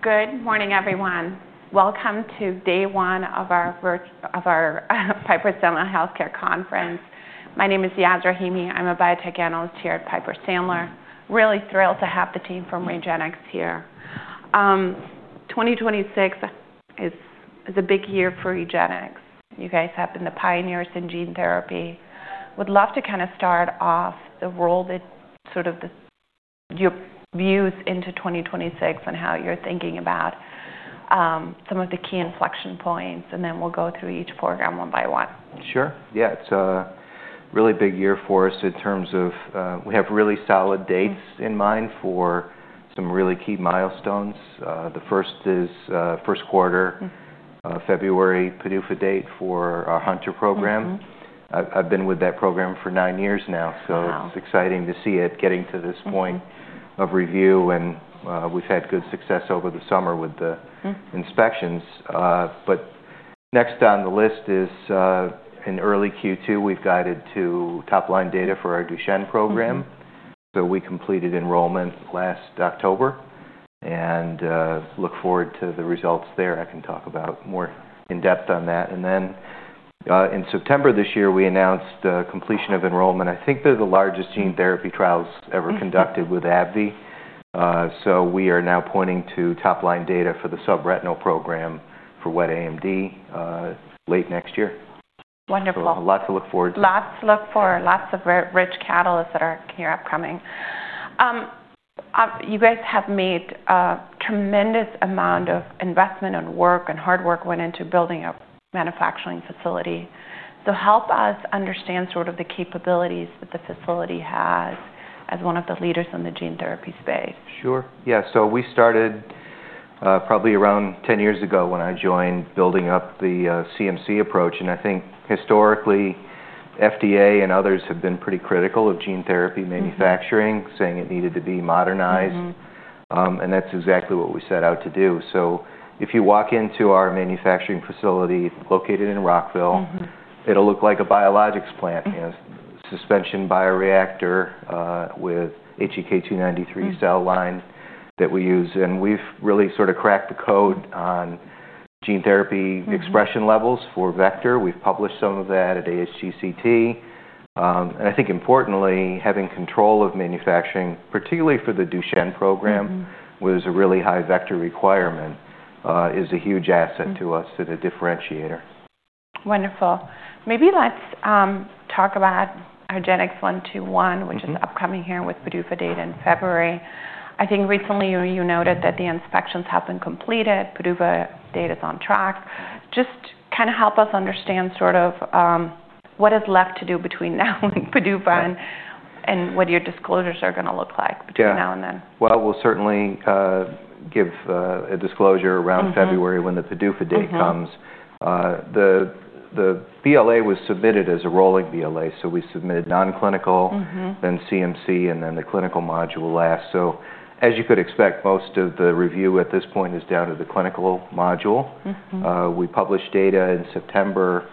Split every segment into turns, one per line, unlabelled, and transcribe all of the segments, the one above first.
Good morning, everyone. Welcome to day one of our Piper Sandler Healthcare Conference. My name is Yaz Rahimi. I'm a biotech analyst here at Piper Sandler. Really thrilled to have the team from REGENXBIO here. 2026 is a big year for REGENXBIO. You guys have been the pioneers in gene therapy. Would love to kind of start off the role that sort of your views into 2026 and how you're thinking about some of the key inflection points, and then we'll go through each program one by one.
Sure. Yeah, it's a really big year for us in terms of we have really solid dates in mind for some really key milestones. The first is first quarter, February, PDUFA date for our Hunter program. I've been with that program for nine years now, so it's exciting to see it getting to this point of review. We've had good success over the summer with the inspections. Next on the list is in early Q2, we've guided to top line data for our Duchenne program. We completed enrollment last October and look forward to the results there. I can talk about more in depth on that. In September this year, we announced completion of enrollment. I think they're the largest gene therapy trials ever conducted with AbbVie. We are now pointing to top line data for the subretinal program for wet AMD late next year.
Wonderful.
Lots to look forward to.
Lots to look forward. Lots of rich catalysts that are here upcoming. You guys have made a tremendous amount of investment and work and hard work went into building a manufacturing facility. Help us understand sort of the capabilities that the facility has as one of the leaders in the gene therapy space.
Sure. Yeah. We started probably around 10 years ago when I joined building up the CMC approach. I think historically, FDA and others have been pretty critical of gene therapy manufacturing, saying it needed to be modernized. That is exactly what we set out to do. If you walk into our manufacturing facility located in Rockville, it will look like a biologics plant, suspension bioreactor with HEK293 cell line that we use. We have really sort of cracked the code on gene therapy expression levels for vector. We have published some of that at ASGCT. I think importantly, having control of manufacturing, particularly for the Duchenne program, which has a really high vector requirement, is a huge asset to us, a differentiator.
Wonderful. Maybe let's talk about RGX-121, which is upcoming here with PDUFA data in February. I think recently you noted that the inspections have been completed. PDUFA data is on track. Just kind of help us understand sort of what is left to do between now and PDUFA and what your disclosures are going to look like between now and then.
Yeah. We'll certainly give a disclosure around February when the PDUFA date comes. The BLA was submitted as a rolling BLA. We submitted non-clinical, then CMC, and then the clinical module last. As you could expect, most of the review at this point is down to the clinical module. We published data in September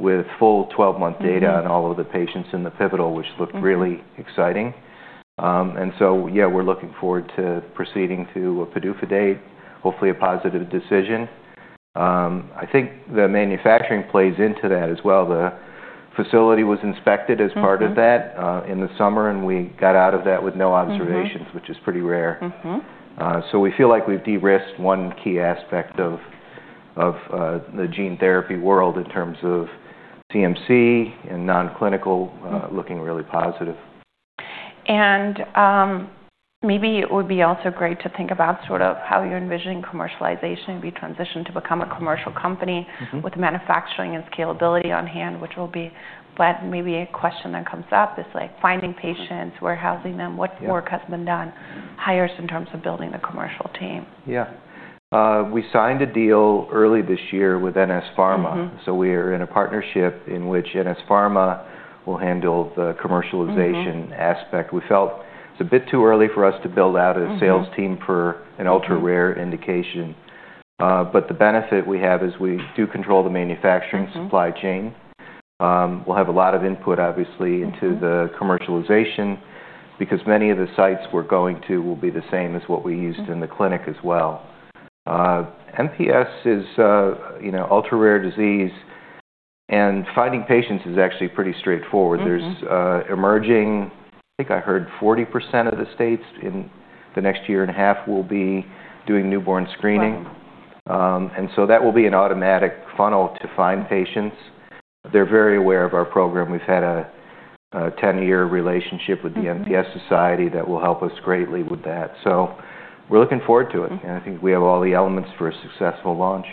with full 12-month data on all of the patients in the pivotal, which looked really exciting. Yeah, we're looking forward to proceeding to a PDUFA date, hopefully a positive decision. I think the manufacturing plays into that as well. The facility was inspected as part of that in the summer, and we got out of that with no observations, which is pretty rare. We feel like we've de-risked one key aspect of the gene therapy world in terms of CMC and non-clinical, looking really positive.
It would be also great to think about sort of how you're envisioning commercialization and be transitioned to become a commercial company with manufacturing and scalability on hand, which will be what maybe a question that comes up is like finding patients, warehousing them, what work has been done, hires in terms of building the commercial team.
Yeah. We signed a deal early this year with NS Pharma. We are in a partnership in which NS Pharma will handle the commercialization aspect. We felt it's a bit too early for us to build out a sales team for an ultra-rare indication. The benefit we have is we do control the manufacturing supply chain. We'll have a lot of input, obviously, into the commercialization because many of the sites we're going to will be the same as what we used in the clinic as well. MPS is an ultra-rare disease, and finding patients is actually pretty straightforward. There's emerging, I think I heard 40% of the states in the next year and a half will be doing newborn screening. That will be an automatic funnel to find patients. They're very aware of our program.have had a 10-year relationship with the MPS Society that will help us greatly with that. We are looking forward to it. I think we have all the elements for a successful launch.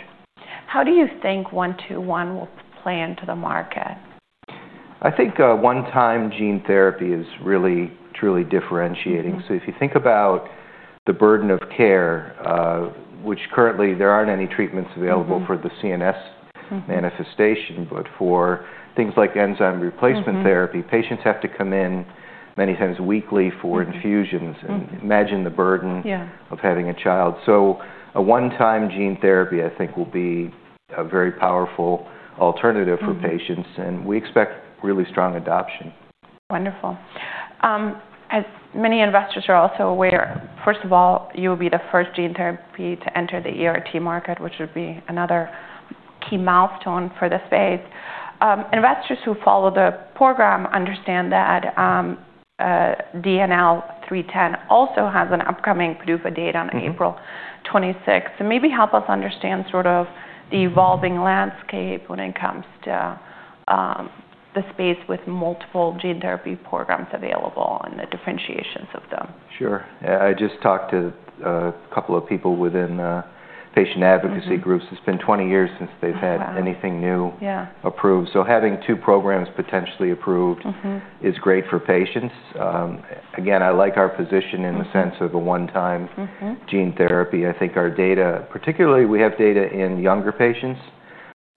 How do you think 121 will play into the market?
I think one-time gene therapy is really, truly differentiating. If you think about the burden of care, which currently there aren't any treatments available for the CNS manifestation, for things like enzyme replacement therapy, patients have to come in many times weekly for infusions. Imagine the burden of having a child. A one-time gene therapy, I think, will be a very powerful alternative for patients. We expect really strong adoption.
Wonderful. As many investors are also aware, first of all, you will be the first gene therapy to enter the ERT market, which would be another key milestone for the space. Investors who follow the program understand that DNL310 also has an upcoming PDUFA date on April 26. Maybe help us understand sort of the evolving landscape when it comes to the space with multiple gene therapy programs available and the differentiations of them.
Sure. Yeah. I just talked to a couple of people within patient advocacy groups. It's been 20 years since they've had anything new approved. Having two programs potentially approved is great for patients. I like our position in the sense of a one-time gene therapy. I think our data, particularly we have data in younger patients.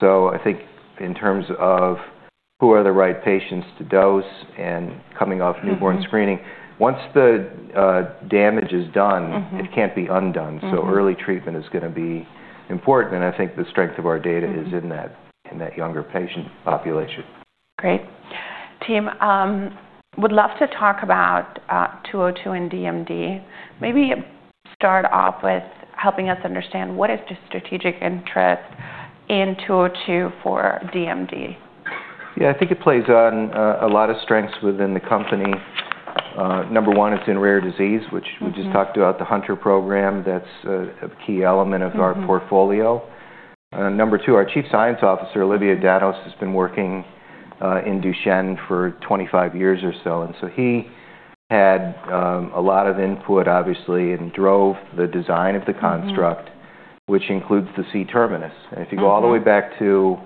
I think in terms of who are the right patients to dose and coming off newborn screening, once the damage is done, it can't be undone. Early treatment is going to be important. I think the strength of our data is in that younger patient population.
Great. Team, would love to talk about 202 and DMD. Maybe start off with helping us understand what is the strategic interest in 202 for DMD?
Yeah. I think it plays on a lot of strengths within the company. Number one, it's in rare disease, which we just talked about the Hunter program. That's a key element of our portfolio. Number two, our Chief Scientific Officer, Olivier Danos, has been working in Duchenne for 25 years or so. He had a lot of input, obviously, and drove the design of the construct, which includes the C-terminus. If you go all the way back to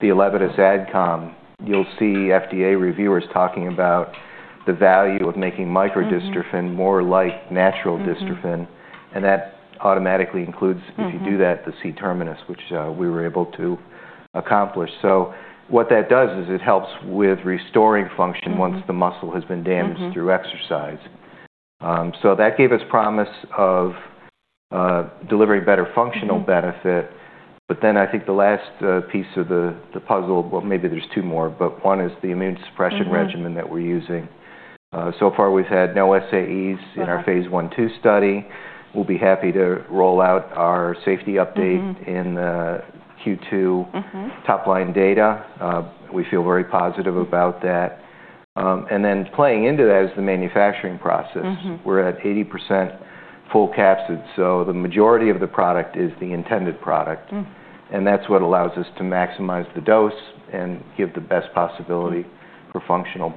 the 11S AdCom, you'll see FDA reviewers talking about the value of making microdystrophin more like natural dystrophin. That automatically includes, if you do that, the C-terminus, which we were able to accomplish. What that does is it helps with restoring function once the muscle has been damaged through exercise. That gave us promise of delivering better functional benefit. I think the last piece of the puzzle, maybe there's two more, but one is the immune suppression regimen that we're using. So far, we've had no SAEs in our phase one two study. We'll be happy to roll out our safety update in Q2 top line data. We feel very positive about that. Then playing into that is the manufacturing process. We're at 80% full capsid. The majority of the product is the intended product. That's what allows us to maximize the dose and give the best possibility for functional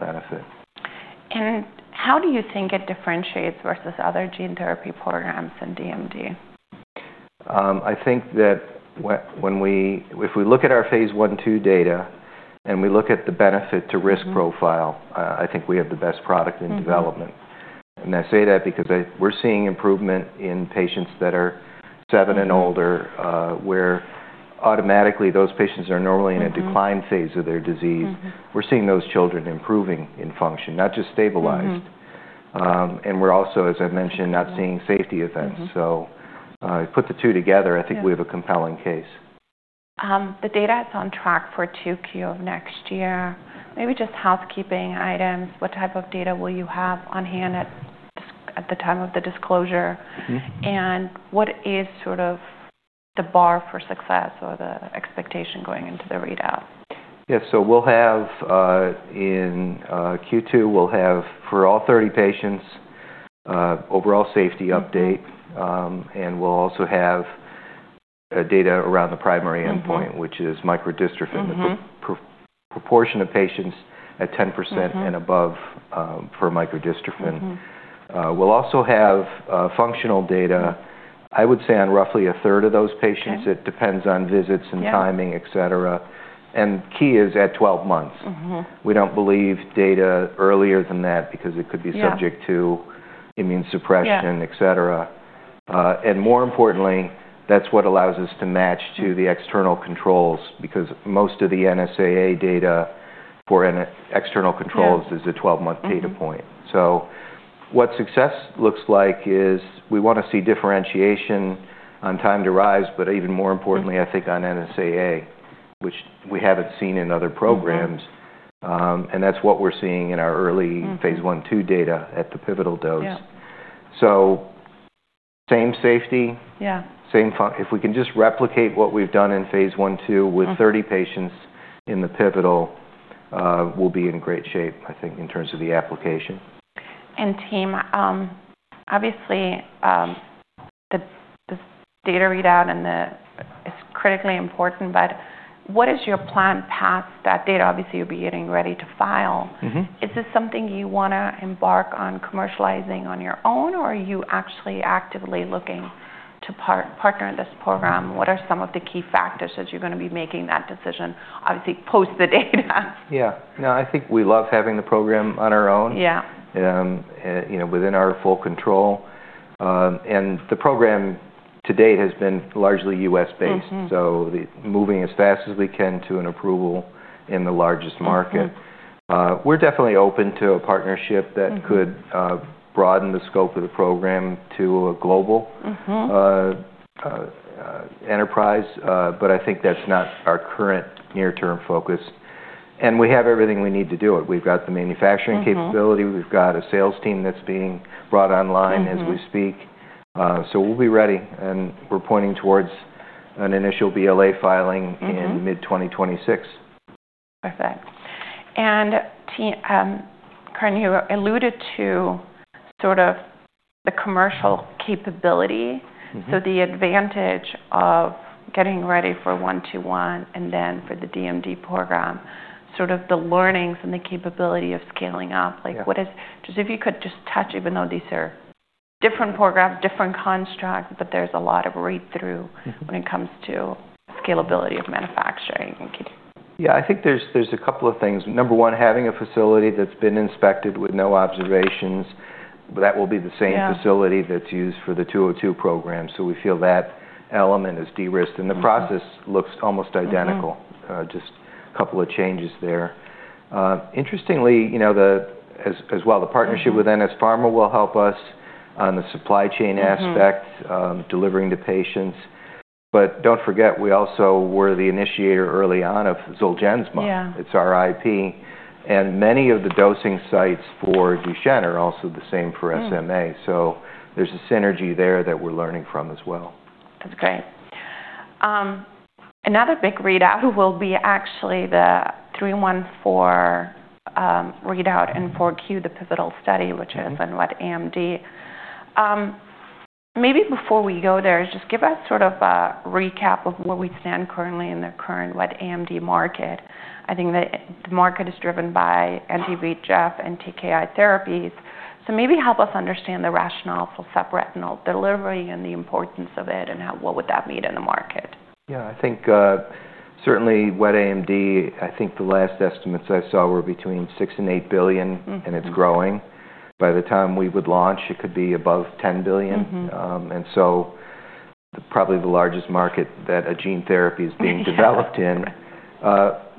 benefit.
How do you think it differentiates versus other gene therapy programs in DMD?
I think that if we look at our phase one two data and we look at the benefit to risk profile, I think we have the best product in development. I say that because we're seeing improvement in patients that are seven and older, where automatically those patients are normally in a decline phase of their disease. We're seeing those children improving in function, not just stabilized. We're also, as I mentioned, not seeing safety events. Put the two together, I think we have a compelling case.
The data is on track for Q2 of next year. Maybe just housekeeping items. What type of data will you have on hand at the time of the disclosure? What is sort of the bar for success or the expectation going into the readout?
Yeah. We'll have in Q2, we'll have for all 30 patients, overall safety update. We'll also have data around the primary endpoint, which is microdystrophin, the proportion of patients at 10% and above for microdystrophin. We'll also have functional data, I would say on roughly a third of those patients. It depends on visits and timing, etc. Key is at 12 months. We don't believe data earlier than that because it could be subject to immune suppression, etc. More importantly, that's what allows us to match to the external controls because most of the NSAA data for external controls is a 12-month data point. What success looks like is we want to see differentiation on time to rise, but even more importantly, I think on NSAA, which we haven't seen in other programs. That is what we are seeing in our early phase one two data at the pivotal dose. Same safety, same fun. If we can just replicate what we have done in phase I, II with 30 patients in the pivotal, we will be in great shape, I think, in terms of the application.
Team, obviously, the data readout is critically important, but what is your plan past that data? Obviously, you'll be getting ready to file. Is this something you want to embark on commercializing on your own, or are you actually actively looking to partner in this program? What are some of the key factors as you're going to be making that decision, obviously, post the data?
Yeah. No, I think we love having the program on our own within our full control. The program to date has been largely U.S.-based. Moving as fast as we can to an approval in the largest market. We're definitely open to a partnership that could broaden the scope of the program to a global enterprise, but I think that's not our current near-term focus. We have everything we need to do it. We've got the manufacturing capability. We've got a sales team that's being brought online as we speak. We'll be ready. We're pointing towards an initial BLA filing in mid-2026.
Perfect. Team, Curran, you alluded to sort of the commercial capability. The advantage of getting ready for 121 and then for the DMD program, sort of the learnings and the capability of scaling up. If you could just touch, even though these are different programs, different constructs, there is a lot of read-through when it comes to scalability of manufacturing.
Yeah. I think there's a couple of things. Number one, having a facility that's been inspected with no observations, that will be the same facility that's used for the 202 program. We feel that element is de-risked. The process looks almost identical, just a couple of changes there. Interestingly, as well, the partnership with NS Pharma will help us on the supply chain aspect, delivering to patients. Do not forget, we also were the initiator early on of Zolgensma. It's our IP. Many of the dosing sites for Duchenne are also the same for SMA. There's a synergy there that we're learning from as well.
That's great. Another big readout will be actually the 314 readout in Q4, the pivotal study, which is in Wet AMD. Maybe before we go there, just give us sort of a recap of where we stand currently in the current Wet AMD market. I think that the market is driven by anti-VEGF and TKI therapies. Maybe help us understand the rationale for subretinal delivery and the importance of it and what would that mean in the market.
Yeah. I think certainly Wet AMD, I think the last estimates I saw were between $6 billion and $8 billion, and it's growing. By the time we would launch, it could be above $10 billion. Probably the largest market that a gene therapy is being developed in.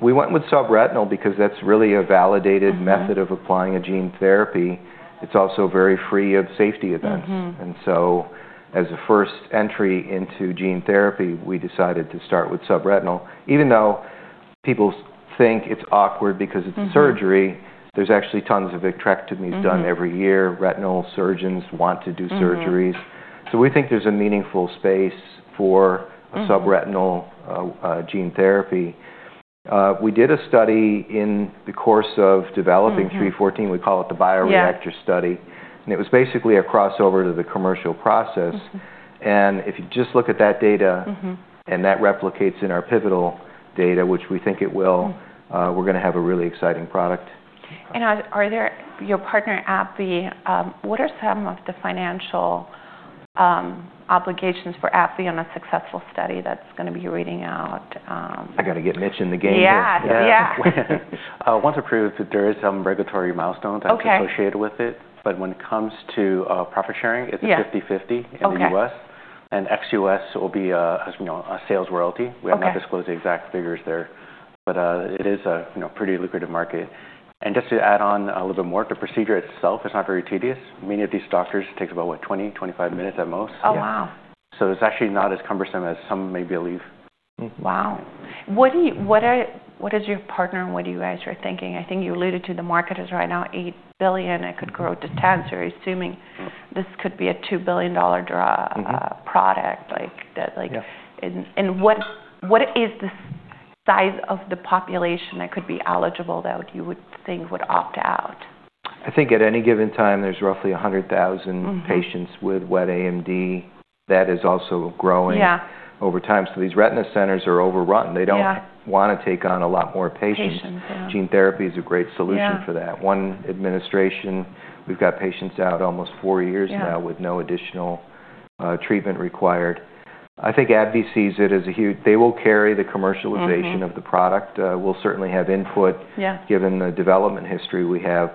We went with subretinal because that's really a validated method of applying a gene therapy. It's also very free of safety events. As a first entry into gene therapy, we decided to start with subretinal. Even though people think it's awkward because it's surgery, there's actually tons of vitrectomies done every year. Retinal surgeons want to do surgeries. We think there's a meaningful space for subretinal gene therapy. We did a study in the course of developing 314. We call it the bioreactor study. It was basically a crossover to the commercial process. If you just look at that data and that replicates in our pivotal data, which we think it will, we're going to have a really exciting product.
Are your partner at the what are some of the financial obligations for at the end of a successful study that's going to be reading out?
I got to get Mitch in the game.
Yeah. Yeah.
Once approved, there are some regulatory milestones associated with it. When it comes to profit sharing, it's 50/50 in the U.S. XUS will be a sales royalty. We have not disclosed the exact figures there, but it is a pretty lucrative market. Just to add on a little bit more, the procedure itself is not very tedious. Many of these doctors, it takes about 20-25 minutes at most.
Oh, wow.
It's actually not as cumbersome as some may believe.
Wow. What is your partner and what do you guys are thinking? I think you alluded to the market is right now $8 billion. It could grow to $10 billion. You're assuming this could be a $2 billion product. What is the size of the population that could be eligible that you would think would opt out?
I think at any given time, there's roughly 100,000 patients with Wet AMD. That is also growing over time. These retina centers are overrun. They don't want to take on a lot more patients. Gene therapy is a great solution for that. One administration. We've got patients out almost four years now with no additional treatment required. I think AbbVie sees it as a huge, they will carry the commercialization of the product. We'll certainly have input given the development history we have.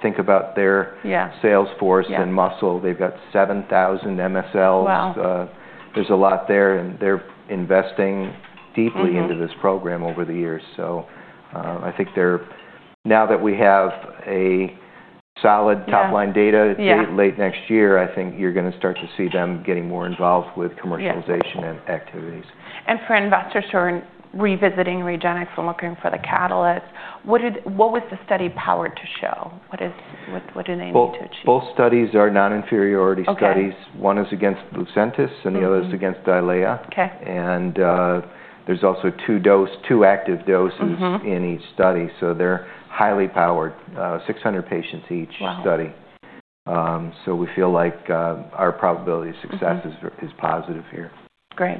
Think about their sales force and muscle. They've got 7,000 MSLs. There's a lot there. They're investing deeply into this program over the years. I think now that we have a solid top line data late next year, I think you're going to start to see them getting more involved with commercialization activities.
For investors who are revisiting REGENXBIO and looking for the catalyst, what was the study power to show? What do they need to achieve?
Both studies are non-inferiority studies. One is against Lucentis, and the other is against Eylea. There are also two active doses in each study. They are highly powered, 600 patients each study. We feel like our probability of success is positive here.
Great.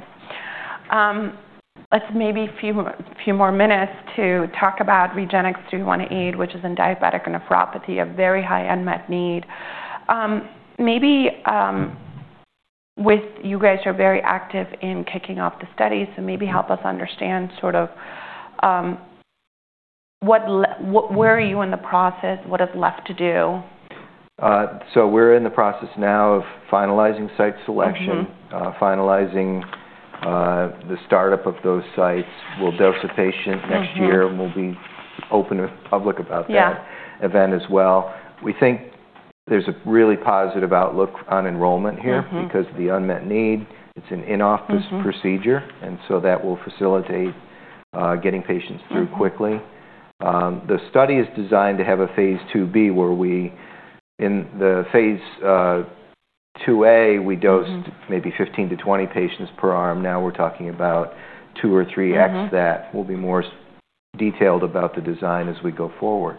Let's maybe take a few more minutes to talk about RGX-314, which is in diabetic retinopathy, a very high unmet need. Maybe you guys are very active in kicking off the study. Maybe help us understand sort of where are you in the process, what is left to do?
We're in the process now of finalizing site selection, finalizing the startup of those sites. We'll dose a patient next year, and we'll be open with the public about that event as well. We think there's a really positive outlook on enrollment here because of the unmet need. It's an in-office procedure. That will facilitate getting patients through quickly. The study is designed to have a phase 2B where in the phase 2A, we dosed maybe 15-20 patients per arm. Now we're talking about 2x-3x that. We'll be more detailed about the design as we go forward.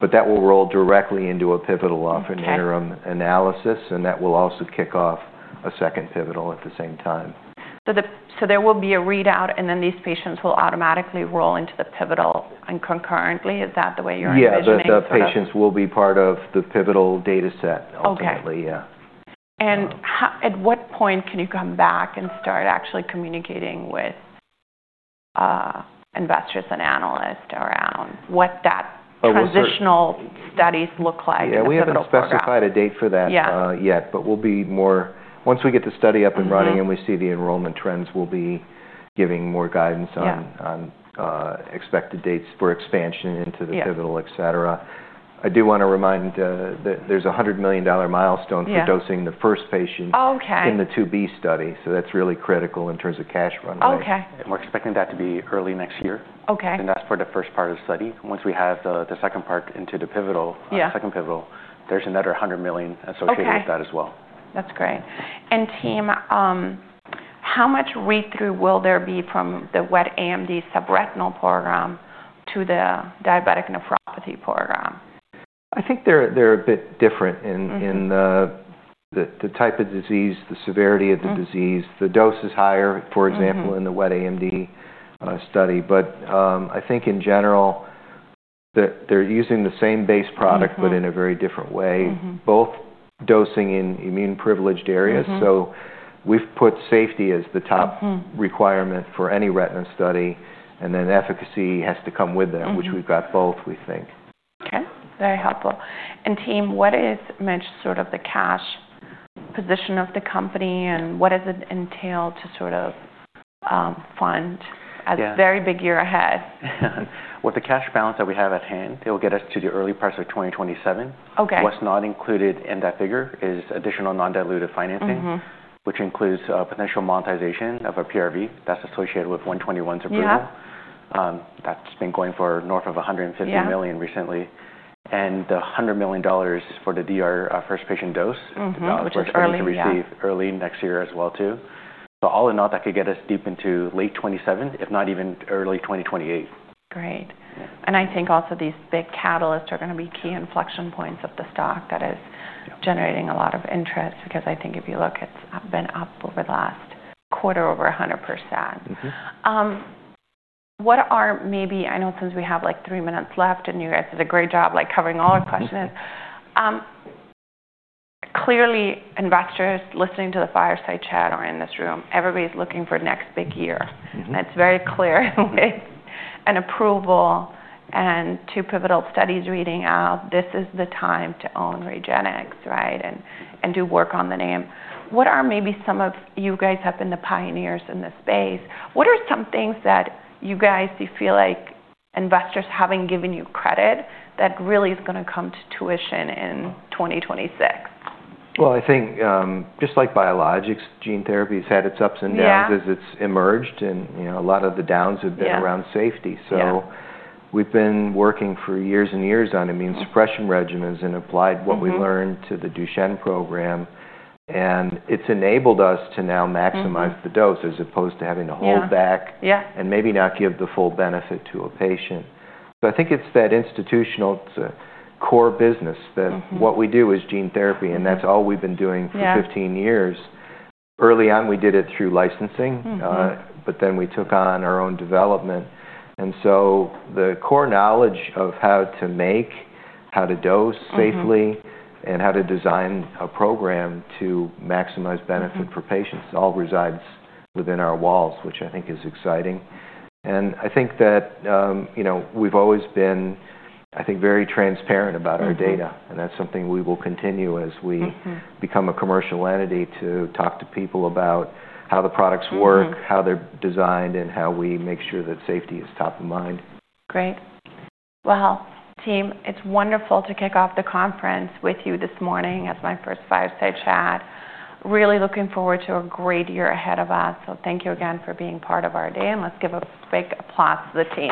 That will roll directly into a pivotal offering analysis. That will also kick off a second pivotal at the same time.
There will be a readout, and then these patients will automatically roll into the pivotal and concurrently. Is that the way you're envisioning?
Yeah. Those patients will be part of the pivotal data set ultimately. Yeah.
At what point can you come back and start actually communicating with investors and analysts around what that transitional studies look like?
Yeah. We haven't specified a date for that yet, but we'll be more once we get the study up and running and we see the enrollment trends, we'll be giving more guidance on expected dates for expansion into the pivotal, etc. I do want to remind that there's a $100 million milestone for dosing the first patient in the 2B study. That is really critical in terms of cash runway. We're expecting that to be early next year. That is for the first part of the study. Once we have the second part into the second pivotal, there's another $100 million associated with that as well.
That's great. Team, how much read-through will there be from the Wet AMD subretinal program to the diabetic retinopathy program?
I think they're a bit different in the type of disease, the severity of the disease. The dose is higher, for example, in the Wet AMD study. I think in general, they're using the same base product, but in a very different way, both dosing in immune-privileged areas. We've put safety as the top requirement for any retina study. Efficacy has to come with that, which we've got both, we think.
Okay. Very helpful. And team, what is Mitch sort of the cash position of the company and what does it entail to sort of fund a very big year ahead?
With the cash balance that we have at hand, it will get us to the early parts of 2027. What's not included in that figure is additional non-dilutive financing, which includes potential monetization of a PRV that's associated with 121's approval. That's been going for north of $150 million recently. The $100 million for the DR first patient dose was early to receive early next year as well too. All in all, that could get us deep into late 2027, if not even early 2028.
Great. I think also these big catalysts are going to be key inflection points of the stock that is generating a lot of interest because I think if you look, it's been up over the last quarter over 100%. What are maybe, I know since we have like three minutes left and you guys did a great job covering all our questions, clearly, investors listening to the fireside chat are in this room. Everybody's looking for next big year. It's very clear with an approval and two pivotal studies reading out, this is the time to own Regenxbio, right, and do work on the name. What are maybe, some of you guys have been the pioneers in this space, what are some things that you guys feel like investors haven't given you credit that really is going to come to fruition in 2026?
I think just like biologics, gene therapy has had its ups and downs as it's emerged. A lot of the downs have been around safety. We've been working for years and years on immune suppression regimens and applied what we learned to the Duchenne program. It's enabled us to now maximize the dose as opposed to having to hold back and maybe not give the full benefit to a patient. I think it's that institutional core business that what we do is gene therapy, and that's all we've been doing for 15 years. Early on, we did it through licensing, but then we took on our own development. The core knowledge of how to make, how to dose safely, and how to design a program to maximize benefit for patients all resides within our walls, which I think is exciting. I think that we've always been, I think, very transparent about our data. That's something we will continue as we become a commercial entity to talk to people about how the products work, how they're designed, and how we make sure that safety is top of mind.
Great. Team, it's wonderful to kick off the conference with you this morning as my first fireside chat. Really looking forward to a great year ahead of us. Thank you again for being part of our day. Let's give a big applause to the team.